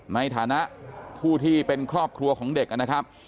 ในฐานะผู้ที่เป็นครอบครัวของเด็กนะครับ